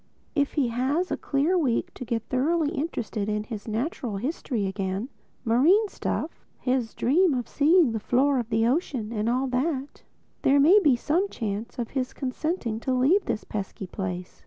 If he has a clear week to get thoroughly interested in his natural history again—marine stuff, his dream of seeing the floor of the ocean and all that—there may be some chance of his consenting to leave this pesky place.